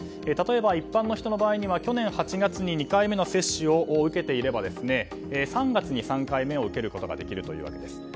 例えば、一般の人の場合には去年８月に２回目の接種を受けていれば３月に３回目を受けることができるというわけです。